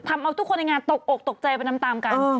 ทำเอาทุกคนในงานตกอกตกใจไปตามกัน